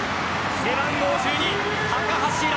背番号１２高橋藍